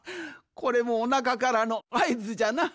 これもおなかからのあいずじゃな。